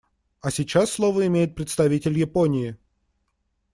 А сейчас слово имеет представитель Японии.